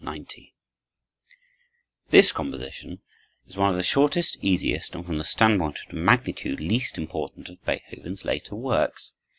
90 This composition is one of the shortest, easiest, and, from the standpoint of magnitude, least important of Beethoven's later works.